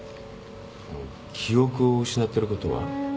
記憶を失ってることは？